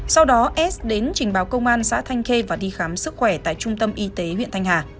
sau đó s đến trình báo công an xã thanh khê và đi khám sức khỏe tại trung tâm y tế huyện thanh hà